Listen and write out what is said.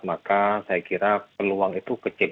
maka saya kira peluang itu kecil